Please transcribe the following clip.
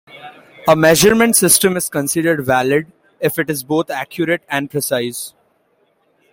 A measurement system is considered "valid" if it is both "accurate" and "precise".